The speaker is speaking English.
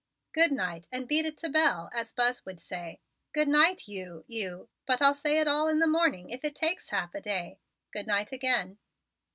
Good night, and beat it to Belle, as Buzz would say. Good night, you you but I'll say it all in the morning if it takes a half day. Good night again."